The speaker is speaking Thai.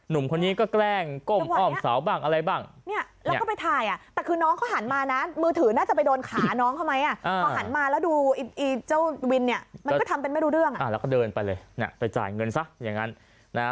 แล้วก็เดินไปไปจ่ายเงินสัก